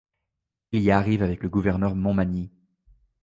Il y arrive avec le gouverneur Montmagny.